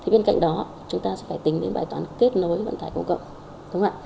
bên cạnh đó chúng ta sẽ phải tính đến bài toán kết nối vận tải công cộng